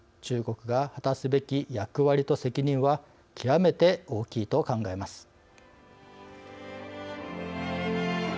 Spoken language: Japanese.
中国が果たすべき役割と責任は極めて大きいと考えます。